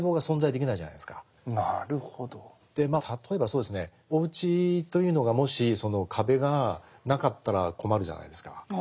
例えばそうですねお家というのがもしその壁がなかったら困るじゃないですか。